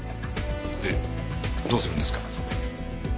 でどうするんですか？